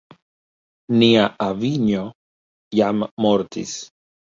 Nia avinjo jam mortis.